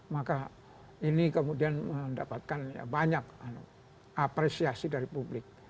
maka ini kemudian mendapatkan banyak apresiasi dari publik